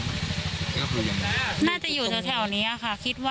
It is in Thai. น่าจะอยู่แถวแถวเนี้ยค่ะคิดว่ายังอยู่เนี้ยค่ะบริเวณเนี้ยค่ะ